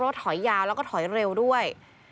ถอยยาวแล้วก็ถอยเร็วด้วย